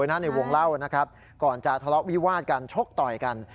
ในวงเล่านะครับก่อนจะทะเลาะวิวาดกันชกต่อยกัน